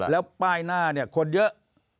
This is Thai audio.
แล้วป้ายหน้าคนเยอะ